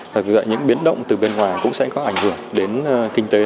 và những biến động từ bên ngoài cũng sẽ có ảnh hưởng đến kinh tế